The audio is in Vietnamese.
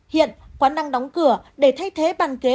hiện quán đang đóng cửa để thay thế bàn kế hoạch